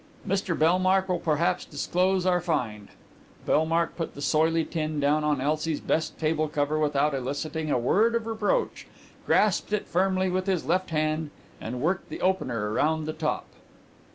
"Mr Bellmark will perhaps disclose our find." Bellmark put the soily tin down on Elsie's best table cover without eliciting a word of reproach, grasped it firmly with his left hand, and worked the opener round the top.